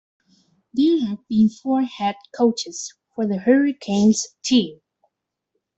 There have been four head coaches for the Hurricanes team.